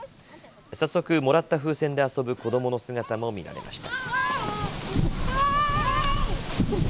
早速、もらった風船で遊ぶ子どもの姿も見られました。